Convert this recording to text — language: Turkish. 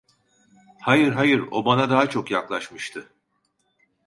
Hayır, hayır, o bana daha çok yaklaşmıştı…